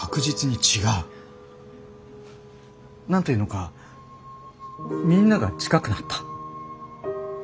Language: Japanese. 何て言うのかみんなが近くなった。